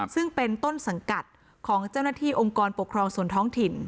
ซึ่งเป็นต้นสังกัดของเจ้าหน้าที่องค์กรปกครองส่วนท้องถิ่น